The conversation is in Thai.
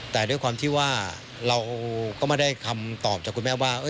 แต่ด้วยความที่ว่าเราก็ไม่ได้คำตอบจากคุณแม่ว่า